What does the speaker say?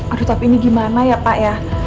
aduh top ini gimana ya pak ya